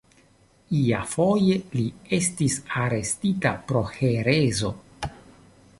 Iafoje li estis arestita pro herezo.